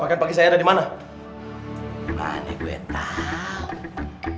pake pagi saya saya cantolin di kamar mandi sekarang ga ada